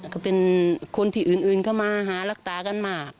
ก็เป็นคนที่อื่นเข้ามาหารักษากันมาก